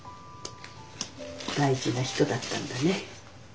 大事な人だったんだね。